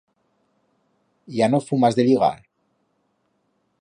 Ya no fumas de ligar?